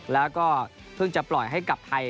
แล้วก็เพิ่งจะปล่อยให้กลับไทย